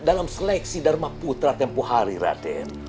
dalam seleksi dharma putra tempoh hari raden